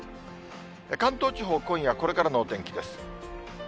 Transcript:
関東地方、今夜これからのお天気です。